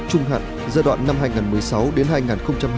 trung hạn giai đoạn năm hai nghìn một mươi sáu đến hai nghìn hai mươi